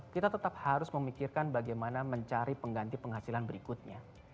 kita tetap harus memikirkan bagaimana mencari pengganti penghasilan berikutnya